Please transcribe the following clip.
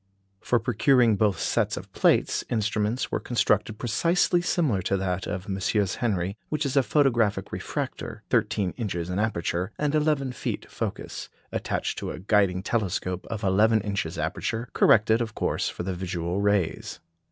For procuring both sets of plates, instruments were constructed precisely similar to that of the MM. Henry, which is a photographic refractor, thirteen inches in aperture, and eleven feet focus, attached to a guiding telescope of eleven inches aperture, corrected, of course, for the visual rays.